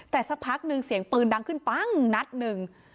แต่สักพักหนึ่งเสียงปืนดังขึ้นปั้งนัดหนึ่ง